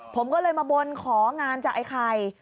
ผมก็เลยมาบนของานจากไอ้ไข่